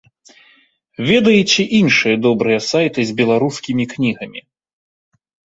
Ведаеце іншыя добрыя сайты з беларускімі кнігамі?